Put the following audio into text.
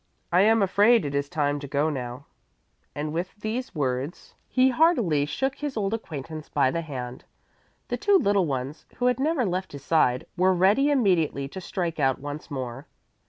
I am afraid it is time to go now" and with these words he heartily shook his old acquaintance by the hand. The two little ones, who had never left his side, were ready immediately to strike out once more.